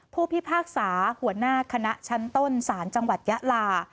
พิพากษาหัวหน้าคณะชั้นต้นศาลจังหวัดยะลา